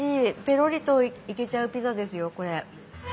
ペロリといけちゃうピザですよこれ。